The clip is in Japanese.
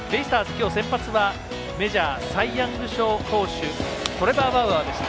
今日の先発はメジャー、サイ・ヤング賞投手トレバー・バウアーでした。